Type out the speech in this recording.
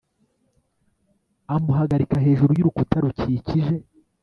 amuhagarika hejuru y urukuta rukikije